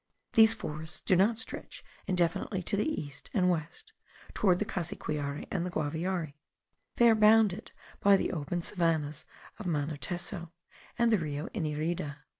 These forests do not stretch indefinitely to the east and west, toward the Cassiquiare and the Guaviare; they are bounded by the open savannahs of Manuteso, and the Rio Inirida.